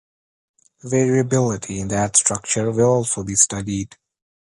Variability in that structure will also be studied.